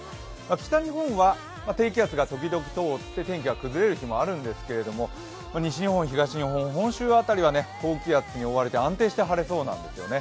北日本は低気圧が時々通って天気が崩れる日もあるんですけど西日本、東日本、本州辺りは、高気圧に覆われて、安定して晴れそうなんですよね。